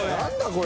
これ。